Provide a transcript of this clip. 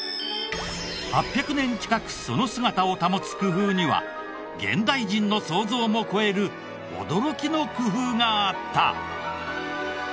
８００年近くその姿を保つ工夫には現代人の想像も超える驚きの工夫があった！